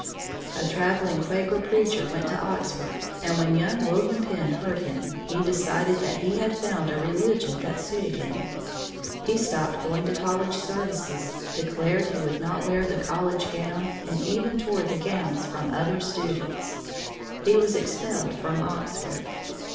A traveling Quaker preacher went to Oxford, and when young William Penn heard him, he decided that he had found a religion that suited him. He stopped going to college services, declared he would not wear the college gown, and even tore the gowns from other students. He was expelled from Oxford.